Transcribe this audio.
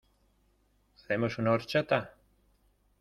¿Hacemos una horchata?